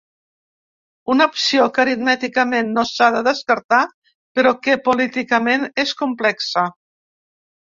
Una opció que aritmèticament no s’ha de descartar, però que políticament és complexa.